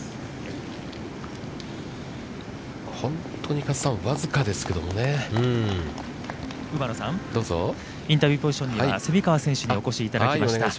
本当に、加瀬さん、僅かですけどもね。◆馬野さん、インタビューポジションには蝉川選手にお越しいただきました。